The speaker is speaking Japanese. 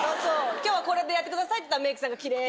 今日はこれでやってくださいって言ったらキレイに。